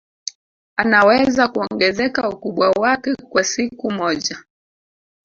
anaweza kuongezeka ukubwa wake kwa siku moja